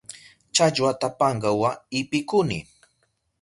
Challwata pankawa ipukuni.